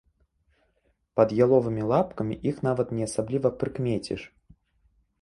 Пад яловымі лапкамі іх нават не асабліва прыкмеціш.